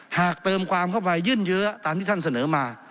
หากเติมความเข้าไปยื่นเยอะตามที่ท่านเสนอมา